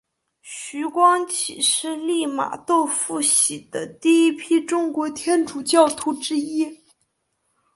徐光启是利玛窦付洗的第一批中国天主教徒之一。